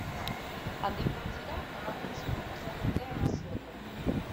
Handik gutxira, emakumezko pasaportea eman zioten.